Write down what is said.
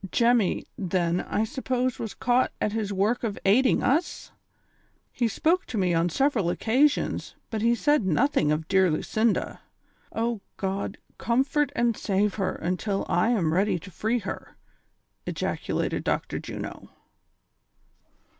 189 " Jemmy, then, I suppose was caught at his work of aid ing us y He spoke to me on several occasions, but lie said notliing of dear Lucinda. O God, comfort and save her until I am ready to free her I " ejaculated Dr. Juno.